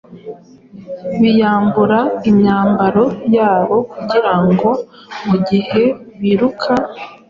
biyamburaga imyambaro yabo kugira ngo mu gihe biruka,